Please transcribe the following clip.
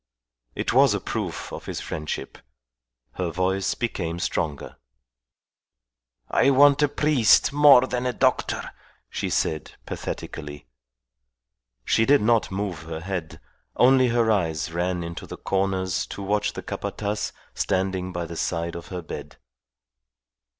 It was a proof of his friendship. Her voice become stronger. "I want a priest more than a doctor," she said, pathetically. She did not move her head; only her eyes ran into the corners to watch the Capataz standing by the side of her bed.